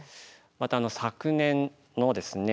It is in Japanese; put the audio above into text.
また昨年のですね